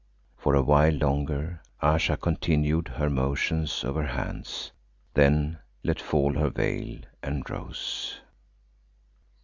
For a while longer Ayesha continued the motions of her hands, then let fall her veil and rose.